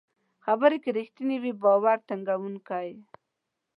خبرې که رښتینې وي، باور ټینګوي.